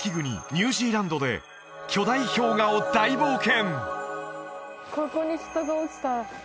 ニュージーランドで巨大氷河を大冒険！